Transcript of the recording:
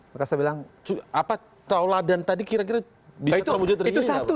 tolong cepat tolong laden tadi kira kira begitu itu satu